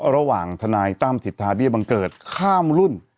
ระหว่างทนายตั้มสิทธาเบี้ยบังเกิดข้ามรุ่น